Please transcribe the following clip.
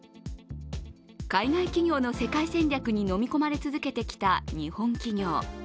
海外企業の世界戦略に飲み込まれ続けてきた日本企業。